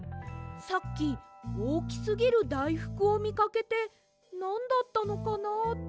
さっきおおきすぎるだいふくをみかけてなんだったのかなあと。